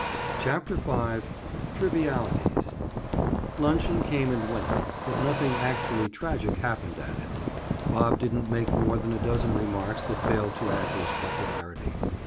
CHAPTER V—TRIVIALITIES Luncheon came and went, but nothing actually tragic happened at it. Bob didn't make more than a dozen remarks that failed to add to his popularity.